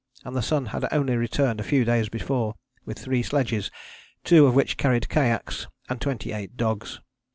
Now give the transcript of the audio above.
and the sun had only returned a few days before, with three sledges (two of which carried kayaks) and 28 dogs.